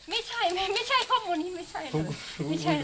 ไม่ใช่ไม่ใช่ข้อมูลนี้ไม่ใช่เลย